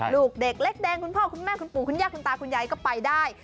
ลูกเด็กเล็กแดงคุณพ่อคุณแม่คุณปู่คุณย่าคุณตาคุณยายก็ไปได้